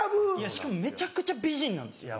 しかもめちゃくちゃ美人なんですよ。